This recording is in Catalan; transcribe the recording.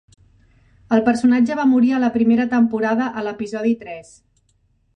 El personatge va morir a la primera temporada, a l'episodi tres.